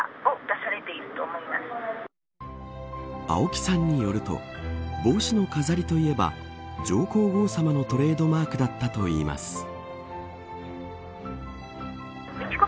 青木さんによると帽子の飾りといえば上皇后さまのトレードマークだったといいます。